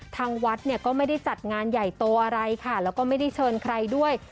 ทางวัดเนี่ยก็ไม่ได้จัดงานใหญ่โตอะไรค่ะแล้วก็ไม่ได้เชิญใครด้วย